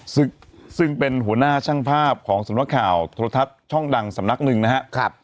ซึ่งเป็นหัวหน้าช่างภาพของสำนักข่าวโทรทัศน์ช่องดังสำนักหนึ่งนะครับ